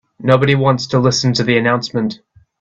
Nobody wants to listen to the announcement.